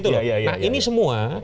nah ini semua